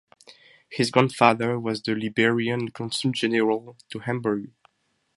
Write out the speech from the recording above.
His grandfather was the Liberian consul-general to Hamburg.